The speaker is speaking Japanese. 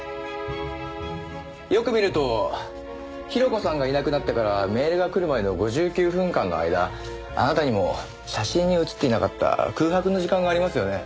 よく見ると広子さんがいなくなってからメールが来るまでの５９分間の間あなたにも写真に写っていなかった空白の時間がありますよね。